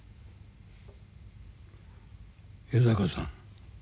江坂さん